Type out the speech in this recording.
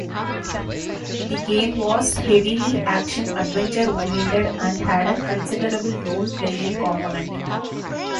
The game was heavily action-adventure oriented and had a considerable role playing component.